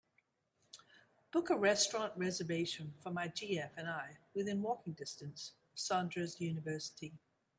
Book a restaurant reservation for my gf and I within walking distance of sondra's university